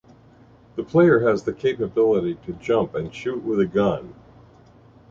The player has the capability to jump and shoot with a gun.